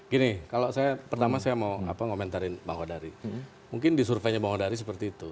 gini kalau saya pertama saya mau komentarin bang hodari mungkin di surveinya bang hodari seperti itu